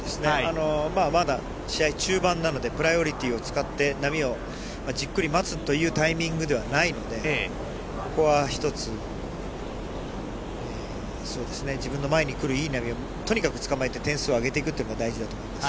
まだ試合中盤なのでプライオリティーを使って波をじっくり待つというタイミングではないので、ここは一つ、自分の前に来るいい波をとにかく捕まえて点数を上げていくというのが大事だと思います。